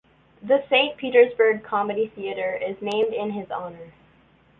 The Saint Petersburg Comedy Theatre is named in his honour.